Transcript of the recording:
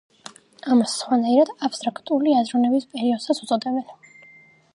ამას სხვანაირად აბსტრაქტული აზროვნების პერიოდსაც უწოდებენ.